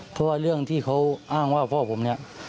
เพราะว่าเรื่องที่เขาอ้างว่าพ่อผมเนี่ย